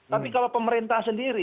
tapi kalau pemerintah sendiri